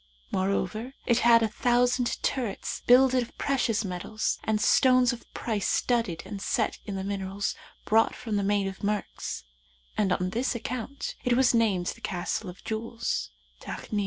Moreover, it had a thousand turrets builded of precious metals, and stones of price studded and set in the minerals brought from the Main of Murks, and on this account it was named the Castle of Jewels, Takni.